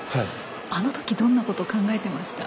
あのとき、どんなことを考えていましたか？